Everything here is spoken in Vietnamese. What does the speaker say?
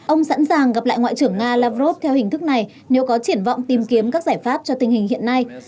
ông sẵn sàng gặp lại ngoại trưởng nga lavrov theo hình thức này nếu có triển vọng tìm kiếm các giải pháp cho tình hình hiện nay